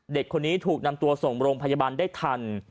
เด็กคนนี้ถูกนำตัวส่งโรงพยาบาลได้ทัน